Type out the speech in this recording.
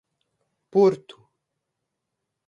Porto